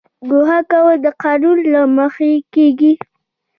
ګوښه کول د قانون له مخې کیږي